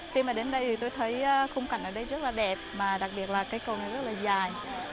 khi mà đến đây thì tôi thấy khung cảnh ở đây rất là đẹp